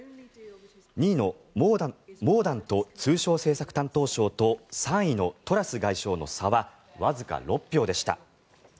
２位のモーダント通商政策担当相と３位のトラス外相の差はわずか６票でした。